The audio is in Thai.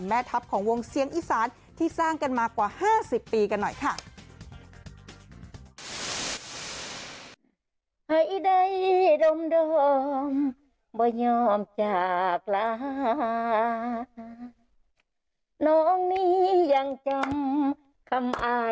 แม่ทัพของวงเสียงอีสานที่สร้างกันมากว่า๕๐ปีกันหน่อยค่ะ